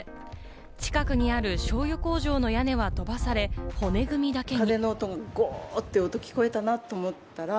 近くにある、しょうゆ工場の屋根は飛ばされ、骨組みだけに。